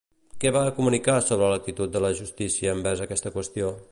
Què va comunicar sobre l'actitud de la justícia envers aquesta qüestió?